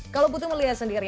kalau putu melihat sendiri